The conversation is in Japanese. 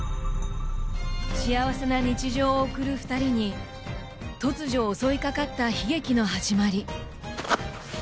幸せな日常を送る二人に突如襲いかかった悲劇の始まり